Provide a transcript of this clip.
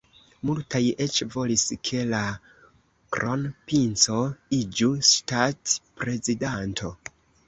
Multaj eĉ volis, ke la kronprinco iĝu ŝtatprezidanto.